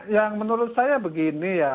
yang menurut saya begini ya